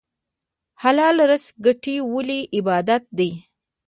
حلال رزق ګټل ولې عبادت دی؟